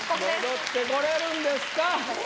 戻ってこれるんですか？